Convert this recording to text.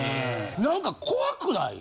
何か怖くない？